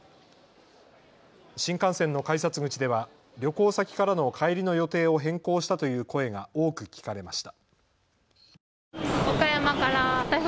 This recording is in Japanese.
新幹線の改札口では旅行先からの帰りの予定を変更したという声が多く聞かれました。